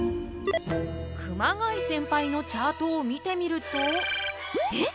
熊谷センパイのチャートを見てみるとえっ！